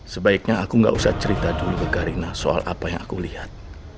sebaiknya aku gak usah cerita dulu ke karina soal apa yang aku lihat